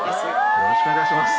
よろしくお願いします。